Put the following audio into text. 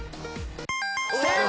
正解！